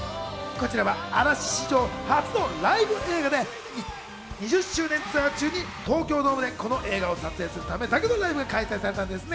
こちらは嵐史上初のライブ映画で、２０周年ツアー中に東京ドームでこの映画を撮影するためだけのライブが開催されたんですね。